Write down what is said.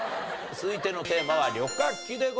続いてのテーマは旅客機でございます。